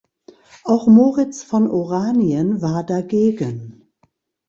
Auch Moritz von Oranien war dagegen.